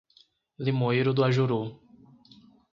Limoeiro do Ajuru